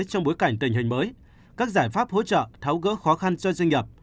trong bối cảnh tình hình mới các giải pháp hỗ trợ tháo gỡ khó khăn cho doanh nghiệp